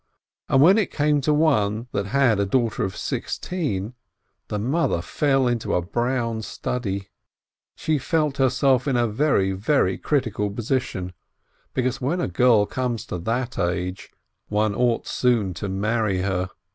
And when it came to one that had a daughter of sixteen, the mother fell into a brown study; she felt herself in a very, very critical posi tion, because when a girl comes to that age, one ought soon to marry her.